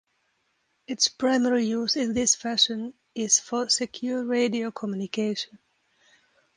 Its primary use in this fashion is for secure radio communication.